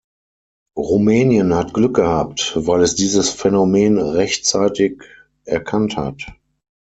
Rumänien hat Glück gehabt, weil es dieses Phänomen rechtzeitig erkannt hat.